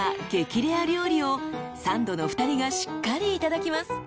レア料理をサンドの２人がしっかりいただきます］